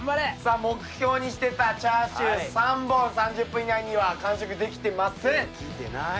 さぁ目標にしてたチャーシュー３本３０分以内には完食できてません。